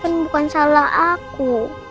kan bukan salah aku